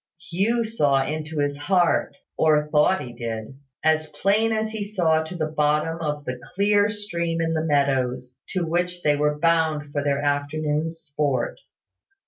Hugh saw into his heart (or thought he did) as plain as he saw to the bottom of the clear stream in the meadows, to which they were bound for their afternoon's sport.